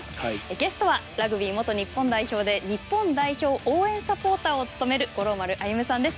ゲストはラグビー元日本代表で日本代表応援サポーターを務める五郎丸歩さんです。